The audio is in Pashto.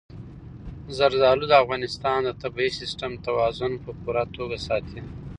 زردالو د افغانستان د طبعي سیسټم توازن په پوره توګه ساتي.